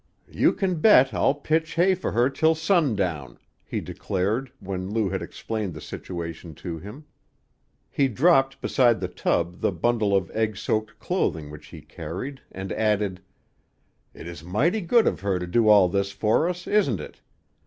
"You can bet I'll pitch hay for her till sundown," he declared, when Lou had explained the situation to him. He dropped beside the tub the bundle of egg soaked clothing which he carried, and added: "It is mighty good of her to do all this for us, isn't it?